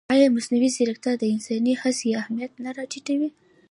ایا مصنوعي ځیرکتیا د انساني هڅې اهمیت نه راټیټوي؟